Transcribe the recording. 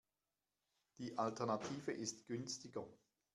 Die Alternative ist günstiger.